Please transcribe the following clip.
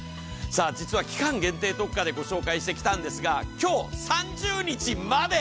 実は期間限定特価で御紹介してきたんですが、今日３０日まで。